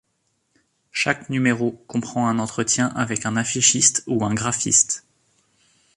Chaque numéro comprend un entretien avec un affichiste ou un graphiste.